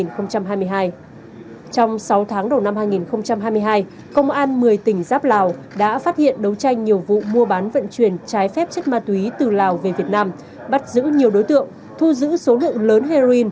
trong sáu tháng đầu năm hai nghìn hai mươi hai công an một mươi tỉnh giáp lào đã phát hiện đấu tranh nhiều vụ mua bán vận chuyển trái phép chất ma túy từ lào về việt nam bắt giữ nhiều đối tượng thu giữ số lượng lớn heroin